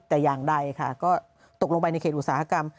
แต่อย่างใดค่ะก็ตกลงไปในเขตอุตสาหกรรม